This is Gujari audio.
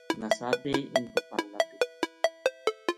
نساپے اِنھ پو پَل لگ گئی